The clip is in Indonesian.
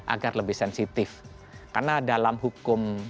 agar lebih sensitif karena dalam hukum